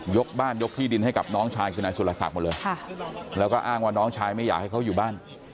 บ้านยกที่ดินให้กับน้องชายคือนายสุรศักดิ์หมดเลยแล้วก็อ้างว่าน้องชายไม่อยากให้เขาอยู่บ้าน